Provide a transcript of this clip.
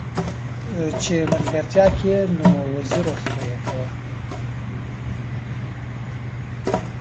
چې ملګرتيا کې نه وزيرو سره يې کاوه.